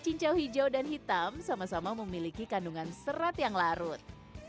cincau hijau dan hitam sama sama memiliki kandungan serat yang larut